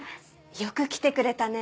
よく来てくれたね。